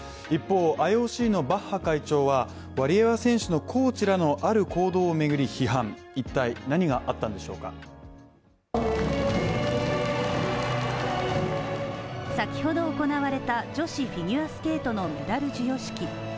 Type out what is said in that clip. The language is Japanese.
一方、ＩＯＣのバッハ会長は、ワリエワ選手のコーチらのある行動を巡り批判、一体何があったんでしょうか？先ほど行われた女子フィギュアスケートのメダル授与式。